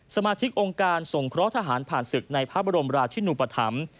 สมาชิกองค์การสงเคราะห์ทหารผ่านศึกในพระบรมราชินุปธรรม